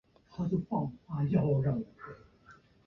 继位的莫元清逃往中国避难。